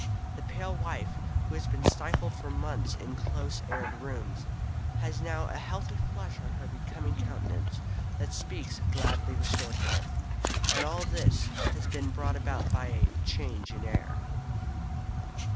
The pale wife, who has been stifled for months in close aired rooms, has now a healthy flush on her becoming countenance that speaks of gladly restored health. And all this has been brought about by a "change of air"!